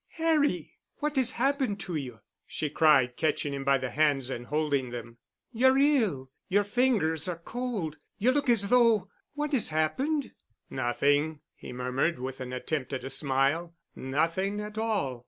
"Harry! What has happened to you?" she cried, catching him by the hands and holding them. "You're ill—your fingers are cold—you look as though—— What has happened?" "Nothing," he murmured with an attempt at a smile. "Nothing at all."